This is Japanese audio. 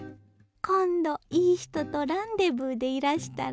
今度いい人とランデブーでいらしたら？